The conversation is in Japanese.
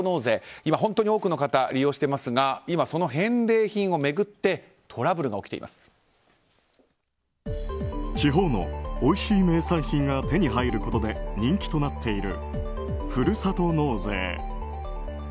今、本当に多くの方が利用していますが今その返礼品を巡って地方のおいしい名産品が手に入ることで人気となっているふるさと納税。